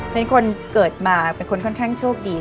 เป็นคนเกิดมาเป็นคนค่อนข้างโชคดี